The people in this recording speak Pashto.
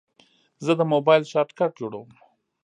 زه د موبایل شارټکټ جوړوم.